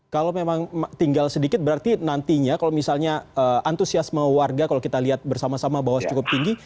kalau memang tinggal sedikit berarti nantinya kalau misalnya antusiasme warga kalau kita lihat bersama sama bahwa cukup tinggi